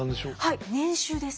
はい年収です。